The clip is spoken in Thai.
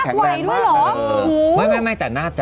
สุดท้ายสุดท้าย